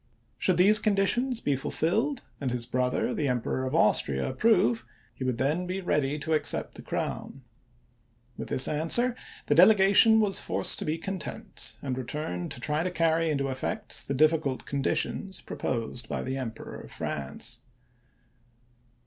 Should these conditions be ful filled, and his brother the Emperor of Austria approve, he would then be ready to accept the crown. With this answer the delegation was forced to be content, and returned to try to carry into effect the difficult conditions proposed by the Emperor of France.